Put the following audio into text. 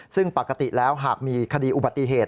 ซึ่งปกติแล้วหากมีคดีอุบัติเหตุ